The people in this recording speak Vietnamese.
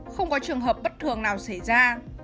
không có trường hợp bất thường nào xảy ra